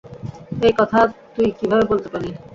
এই কথা তুই কিভাবে বলতে পারলি?